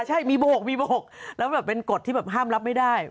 ใช่มีโบกมีโบกแล้วแบบเป็นกฎที่แบบห้ามรับไม่ได้